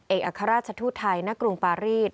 เอกอาคาราชทุทธัยณกรุงปารีศ